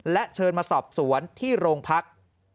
และเชิญมาสอบสวนที่โรงพัก